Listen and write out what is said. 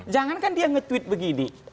jangankan dia nge tweet begini